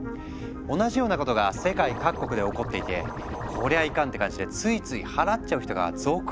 同じようなことが世界各国で起こっていて「こりゃいかん」って感じでついつい払っちゃう人が続出してるんだって。